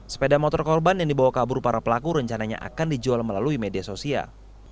sepeda motor korban yang dibawa kabur para pelaku rencananya akan dijual melalui media sosial